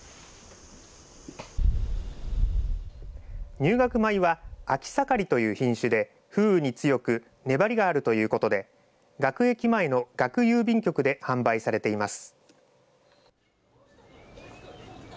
入学米はあきさかりという品種で風雨に強く粘りがあるということで学駅前の学郵便局で販売されています。